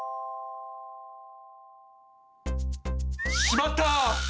しまった！